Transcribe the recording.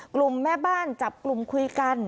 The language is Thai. กลุ่มแม่บ้านจับกลุ่มคุยกัน